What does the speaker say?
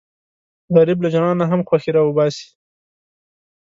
غریب له ژړا نه هم خوښي راوباسي